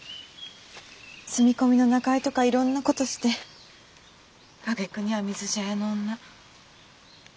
住み込みの仲居とかいろんな事してあげくには水茶屋の女。